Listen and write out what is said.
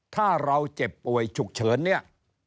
ถ้าเราเจ็บป่วยฉุกเฉินเนี่ย